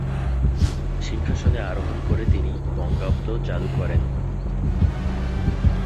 সিংহাসনে আরোহণ করে তিনি "বঙ্গাব্দ" চালু করেন।